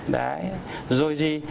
đấy rồi gì